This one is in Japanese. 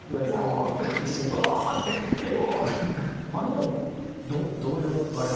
あれはどういうあれなんですか？